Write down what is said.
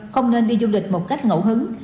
không nên đi du lịch một cách ngậu hứng